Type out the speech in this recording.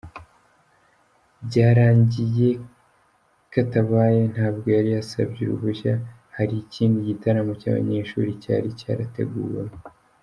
Byarangiye ktabaye , ntabwo yari yarasabye uruhushya, hari ikindi gitaramo cy’abanyeshuri cyari cyarateguwemo”.